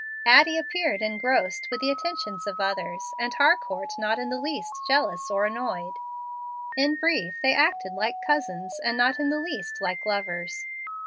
Addle appeared engrossed with the attentions of others, and Harcourt not in the least jealous or annoyed. In brief, they acted like cousins, and not in the least like lovers.